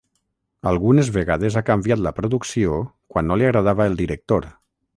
Algunes vegades ha canviat la producció quan no li agradava el director.